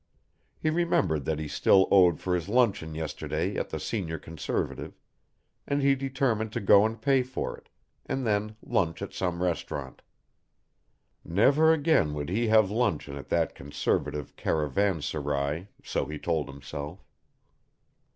He remembered that he still owed for his luncheon yesterday at the Senior Conservative, and he determined to go and pay for it, and then lunch at some restaurant. Never again would he have luncheon at that Conservative Caravanserai, so he told himself.